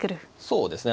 そうですね。